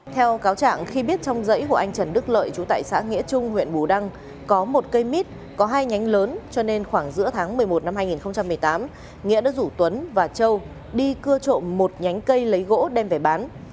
theo cáo trạng khi biết trong dãy của anh trần đức lợi chú tại xã nghĩa trung huyện bù đăng có một cây mít có hai nhánh lớn cho nên khoảng giữa tháng một mươi một năm hai nghìn một mươi tám nghĩa đã rủ tuấn và châu đi cưa trộm một nhánh cây lấy gỗ đem về bán